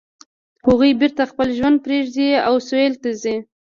هغوی بیرته خپل ژوند پریږدي او سویل ته ځي